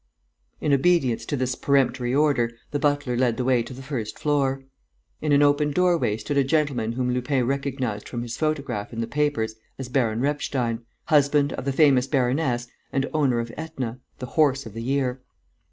In obedience to this peremptory order, the butler led the way to the first floor. In an open doorway stood a gentleman whom Lupin recognized from his photograph in the papers as Baron Repstein, husband of the famous baroness and owner of Etna, the horse of the year.